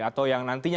atau yang nantinya